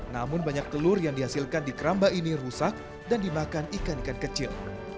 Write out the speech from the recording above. namun banyak telur yang dihasilkan di keramba ini rusak dan dimakan ikan ikan kecil